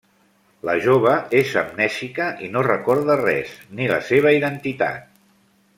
La jove és amnèsica i no recorda res, ni la seva identitat.